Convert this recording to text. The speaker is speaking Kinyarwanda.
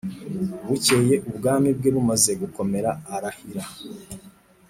Bukeye ubwami bwe bumaze gukomera arahira